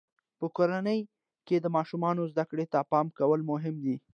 په کورنۍ کې د ماشومانو زده کړې ته پام کول مهم دي.